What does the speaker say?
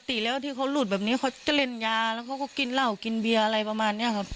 ปกติแล้วที่เขาหลุดแบบนี้เขาจะเล่นยาแล้วเขาก็กินเหล้ากินเบียร์อะไรประมาณนี้ครับ